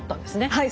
はい。